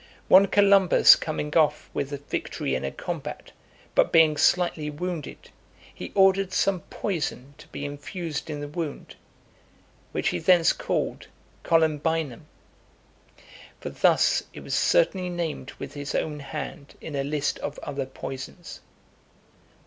One Columbus coming off with victory in a combat, but being slightly wounded, he ordered some poison to be infused in the wound, which he thence called Columbinum. For thus it was certainly named with his own hand in a list of other poisons.